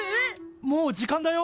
もう時間だよ！